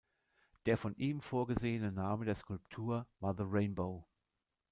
Der von ihm vorgesehene Name der Skulptur war "The Rainbow.